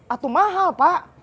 atau mahal pak